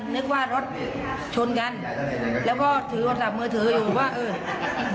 นึกว่ารถชนกันแล้วก็ถือโทรศัพท์มือถืออยู่ว่าเออ